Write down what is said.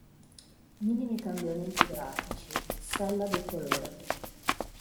Minimi cambiamenti grafici, sella bicolore.